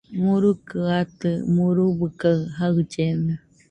Murukɨ atɨ, murubɨ kaɨ jaɨllena